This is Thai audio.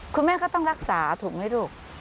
คุณแม่ก็ต้องรักษาถูกไหมลูก